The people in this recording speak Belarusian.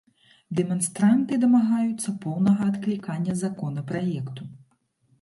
Дэманстранты дамагаюцца поўнага адклікання законапраекту.